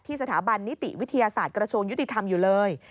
สถาบันนิติวิทยาศาสตร์กระทรวงยุติธรรมอยู่เลย